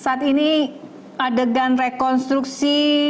saat ini adegan rekonstruksi